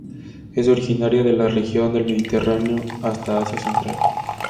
Es originaria de la región del Mediterráneo hasta Asia Central.